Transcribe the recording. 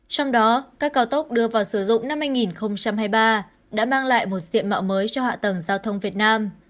trong đó các cao tốc đưa vào sử dụng năm hai nghìn hai mươi ba đã mang lại một diện mạo mới cho hạ tầng giao thông việt nam